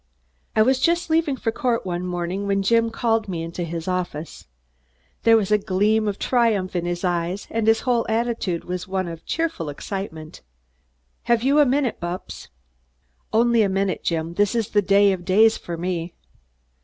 I was just leaving for court one morning when Jim called me into his office. There was a gleam of triumph in his eyes and his whole attitude was one of cheerful excitement. "Have you a minute, Bupps?" "Only a minute, Jim. This is the day of days for me."